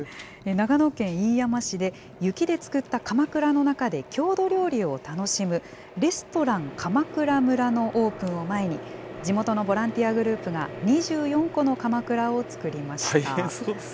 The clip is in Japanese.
長野県飯山市で、雪で作ったかまくらの中で郷土料理を楽しむ、レストランかまくら村のオープンを前に、地元のボランティアグループが、２４個のかまくらを作りました。